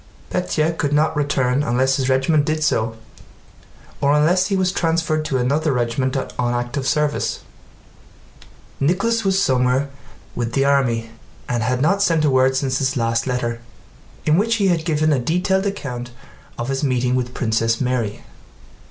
Pétya could not return unless his regiment did so or unless he was transferred to another regiment on active service. Nicholas was somewhere with the army and had not sent a word since his last letter, in which he had given a detailed account of his meeting with Princess Mary.